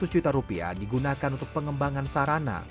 tiga ratus juta rupiah digunakan untuk pengembangan sarana